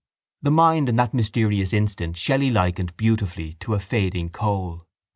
The mind in that mysterious instant Shelley likened beautifully to a fading coal.